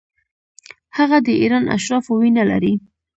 هغه د ایران اشرافو وینه لري.